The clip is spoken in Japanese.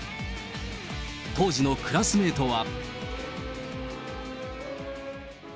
当時のクラスメートは。